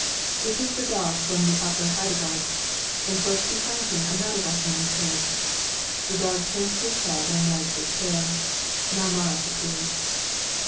It is the dog from the Upper Heidegards, and close behind him another rustling is heard. The dog turns his head and wags his tail; now Marit appears.